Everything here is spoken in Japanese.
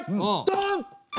ドン！